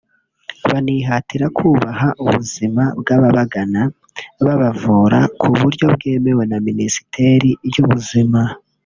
banihatira kubaha ubuzima bw’ababagana babavura ku buryo bwemewe na Minisiteri y’Ubuzima